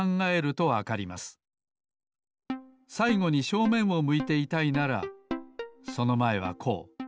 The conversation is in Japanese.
さいごに正面を向いていたいならそのまえはこう。